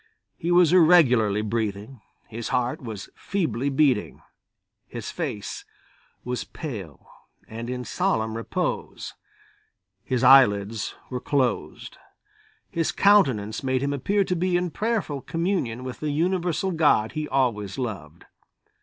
He was irregularly breathing, his heart was feebly beating, his face was pale and in solemn repose, his eyelids were closed, his countenance made him appear to be in prayerful communion with the Universal God he always loved.